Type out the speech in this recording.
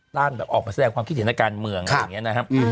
ต้านแบบออกมาแสดงความคิดเห็นทางการเมืองอะไรอย่างนี้นะครับ